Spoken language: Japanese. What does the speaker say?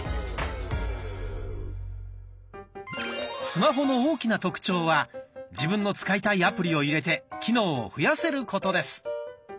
スマホの大きな特徴は自分の使いたいアプリを入れて機能を増やせることです。